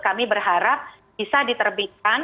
kami berharap bisa diterbitkan